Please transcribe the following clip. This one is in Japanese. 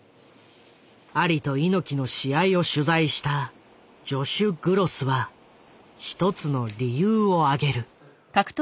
アリと猪木の試合を取材したジョシュ・グロスは一つの理由を挙げる。